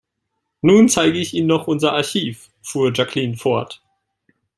Nun zeige ich Ihnen noch unser Archiv, fuhr Jacqueline fort.